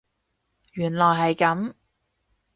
原來係咁